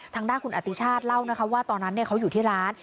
ทางด้านคุณอติชาติเล่านะคะว่าตอนนั้นเขาอยู่ที่ร้าน